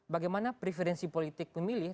bagaimana preferensi politik pemilih